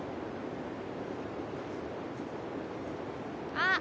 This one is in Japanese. あっ！